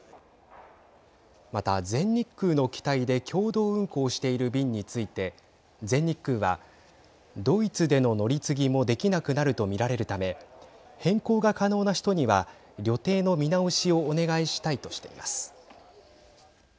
また、全日空の機体で共同運航している便について全日空は、ドイツでの乗り継ぎもできなくなると見られるため変更が可能な人には旅程の見直しをお願いしたいとしています。